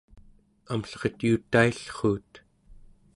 amlleret yuut taillruut